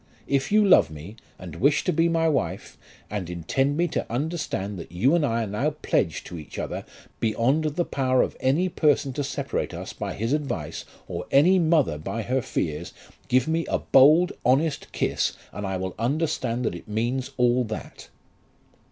If you love me, and wish to be my wife, and intend me to understand that you and I are now pledged to each other beyond the power of any person to separate us by his advice, or any mother by her fears, give me a bold, honest kiss, and I will understand that it means all that."